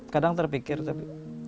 kadang terpikir tapi